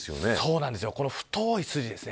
この太い筋ですね。